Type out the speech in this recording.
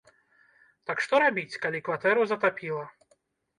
Так што рабіць, калі кватэру затапіла?